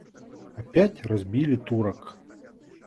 Опять разбили Турок.